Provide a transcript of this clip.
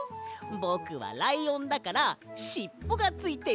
ぼくはライオンだからしっぽがついてるんだ！